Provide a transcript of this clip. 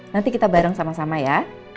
nanti kita bareng sama sama ya